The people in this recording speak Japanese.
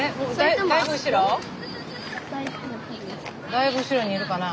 だいぶ後ろにいるかな。